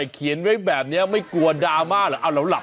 ครับครับ